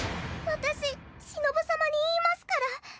私しのぶさまに言いますから。